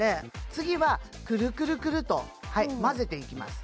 次はくるくるくると混ぜていきます